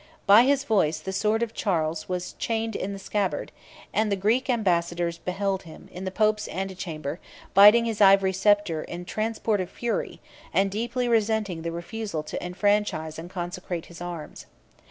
By his voice, the sword of Charles was chained in the scabbard; and the Greek ambassadors beheld him, in the pope's antechamber, biting his ivory sceptre in a transport of fury, and deeply resenting the refusal to enfranchise and consecrate his arms.